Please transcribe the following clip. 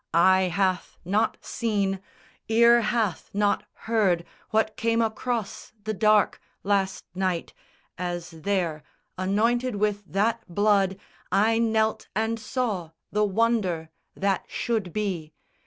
Eye hath not seen, Ear hath not heard what came across the dark Last night, as there anointed with that blood I knelt and saw the wonder that should be.